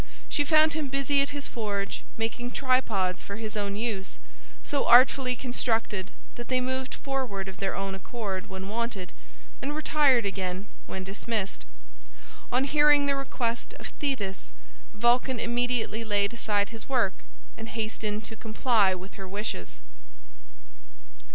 She found him busy at his forge making tripods for his own use, so artfully constructed that they moved forward of their own accord when wanted, and retired again when dismissed. On hearing the request of Thetis, Vulcan immediately laid aside his work and hastened to comply with her wishes.